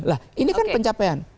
nah ini kan pencapaian